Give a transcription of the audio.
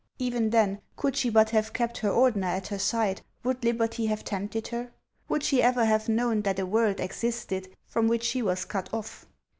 Even then, could she but have kept her Ordener at her side, would liberty have tempted her ? Would she ever have known that a world existed from which she was cut off?